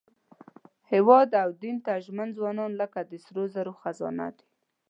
هېواد او دین ته ژمن ځوانان لکه د سرو زرو خزانه دي.